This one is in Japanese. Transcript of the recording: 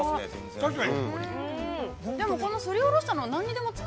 ◆確かに。